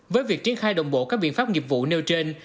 với việc triển khai đồng bộ các biện pháp nghiệp vụ nêu trên